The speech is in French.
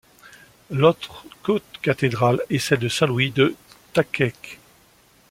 L'autre cocathédrale est celle de Saint-Louis de Thakhek.